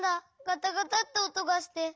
ガタガタっておとがして。